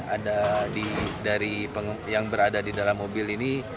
ada yang berada di dalam mobil ini